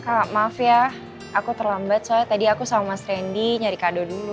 ya maaf ya aku terlambat soalnya tadi aku sama mas randy nyari kado dulu